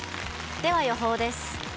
では予報です。